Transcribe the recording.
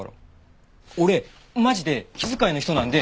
俺マジで気遣いの人なんで。